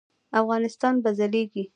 افغانستان به ځلیږي؟